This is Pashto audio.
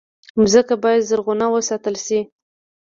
مځکه باید زرغونه وساتل شي.